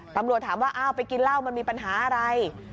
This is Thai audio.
ตำรวจถามว่าอ้าวไปกินเหล้ามันมีปัญหาอะไร